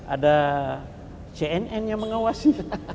ada cnn yang mengawasi